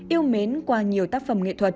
yêu mến qua nhiều tác phẩm nghệ thuật